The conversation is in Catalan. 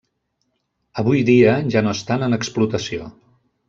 Avui dia ja no estan en explotació.